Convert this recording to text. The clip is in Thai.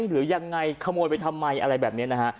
หรือยังไงขโมยไปทำไมอะไรแบบนี้นะฮะ